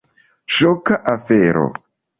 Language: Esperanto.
Ŝoka afero.